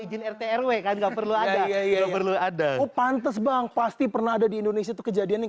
izin rt rw kan nggak perlu ada enggak perlu ada oh pantes bang pasti pernah ada di indonesia tuh kejadiannya